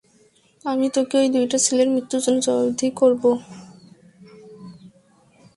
আমি- তোকে ওই দুটো ছেলের মৃত্যুর জন্য জবাবদিহি করাবো।